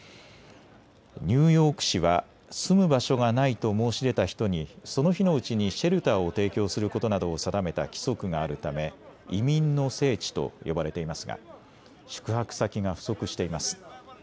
ニューヨーク市は住む場所がないと申し出た人にその日のうちにシェルターを提供することなどを定めた規則があるため移民の聖地と呼ばれていますが宿泊先が不足しています。